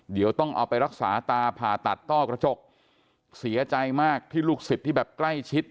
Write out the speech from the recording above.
เดี๋ยวต้องเอาไปรักษาตาผ่าตัดต้อกระจกเสียใจมากที่ลูกศิษย์ที่แบบใกล้ชิด